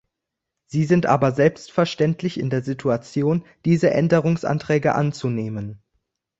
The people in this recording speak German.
Sie sind aber selbstverständlich in der Situation, diese Änderungsanträge anzunehmen.